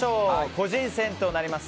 個人戦となります。